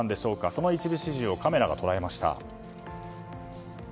その一部始終をカメラが捉えました。